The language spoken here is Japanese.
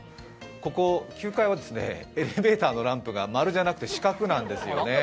ここ９階はエレベーターのランプが丸じゃなくて四角なんですよね。